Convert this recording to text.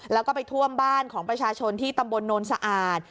แล้วก็ไปท่วมบ้านของประชาชนที่ตำบลโนนสะอาด